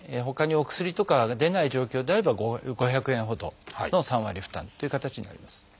ほかにお薬とかが出ない状況であれば５００円ほど３割負担という形になります。